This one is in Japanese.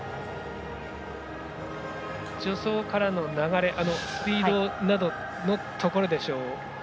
助走からの流れスピードなどのところでしょうか。